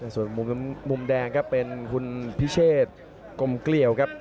ส่วนมุมแดงครับเป็นคุณพิเชษกลมเกลี่ยวครับ